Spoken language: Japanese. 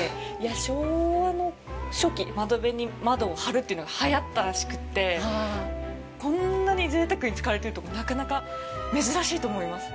昭和の初期、窓辺に窓を張るというのがはやったらしくてこんなにぜいたくに使われているところなかなか珍しいと思います。